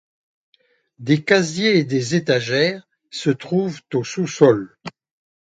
des casiers et des étagères se trouvent au sous-sol